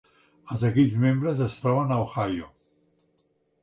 Els equips membres es troben a Ohio.